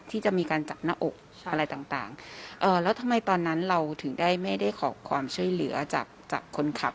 ที่จะมีการจับหน้าอกอะไรต่างแล้วทำไมตอนนั้นเราถึงได้ไม่ได้ขอความช่วยเหลือจากจากคนขับ